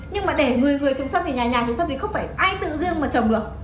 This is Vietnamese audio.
nhưng mà để người người trồng sâm thì nhà nhà trồng sâm thì không phải ai tự riêng mà trồng được